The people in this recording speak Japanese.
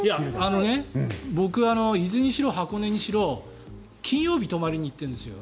僕、伊豆にしろ箱根にしろ金曜日に泊まりに行っているんですよ。